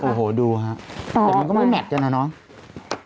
ต่อมาแต่มันก็ไม่แมตรกันแล้วเนอะ